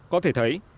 có thể thấy